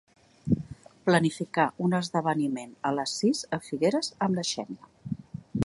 Planificar un esdeveniment a les sis a Figueres amb la Xènia.